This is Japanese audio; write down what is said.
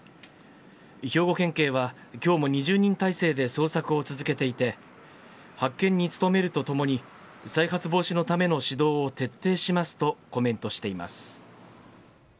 兵庫県警は、きょうも２０人態勢で捜索を続けていて、発見に努めるとともに、再発防止のための指導を徹底しますとコメントしています。